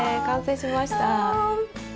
完成しました。